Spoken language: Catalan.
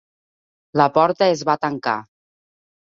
La porta es va tancar.